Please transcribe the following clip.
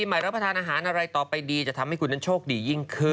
อันดับใหม่แล้วผัฒนาหารอะไรต่อไปดีจะทำให้คุณช่วงดียิ่งขึ้น